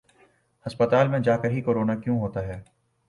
ہسپتال میں جاکر ہی کرونا کیوں ہوتا ہے ۔